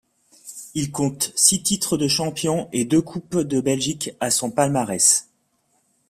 Il compte six titres de champion et deux Coupes de Belgique à son palmarès.